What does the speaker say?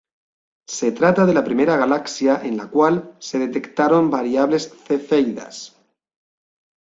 Se trata de la primera galaxia en la cual se detectaron variables cefeidas.